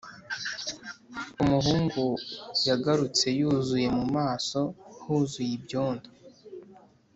umuhungu yagarutse yuzuye mu maso huzuye ibyondo.